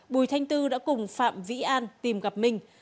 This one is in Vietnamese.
bùi thanh tư đã cùng phạm vĩ an tìm gặp minh